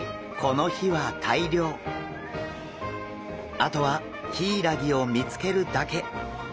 あとはヒイラギを見つけるだけ。